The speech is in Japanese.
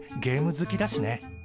ゲーム好きだしね。